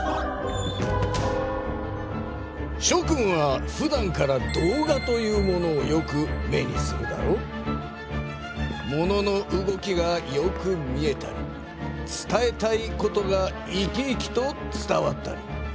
しょ君はふだんから動画というものをよく目にするだろう？ものの動きがよく見えたり伝えたいことが生き生きと伝わったり。